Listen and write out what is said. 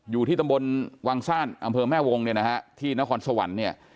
อยู่ที่ตำบลวังซ่านอำเภอแม่วงที่นครสวรรค์